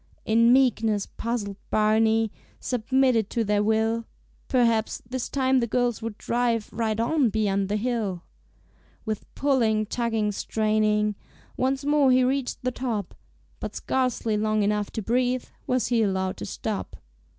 In meekness puzzled Barney Submitted to their will. Perhaps this time the girls would drive Right on beyond the hill. With pulling, tugging, straining, Once more he reached the top, But scarcely long enough to breathe Was he allowed to stop.